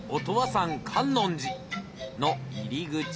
音羽山観音寺の入り口。